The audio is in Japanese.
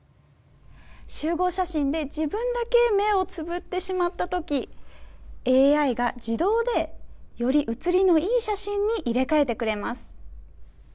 集合写真で自分だけ目をつぶってしまったときＡＩが自動でより映りのいい写真に入れ替えてくれます。